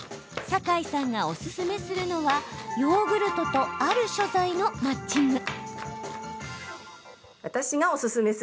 サカイさんがおすすめするのはヨーグルトとある食材のマッチング。